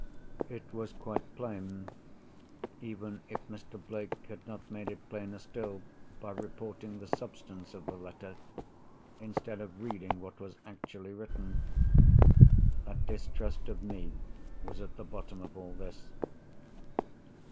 It was quite plain—even if Mr. Blake had not made it plainer still by reporting the substance of the letter, instead of reading what was actually written—that distrust of me was at the bottom of all this.